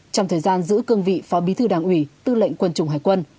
trong thời gian giữ cương vị phó bí thư đảng ủy tư lệnh quân chủng hải quân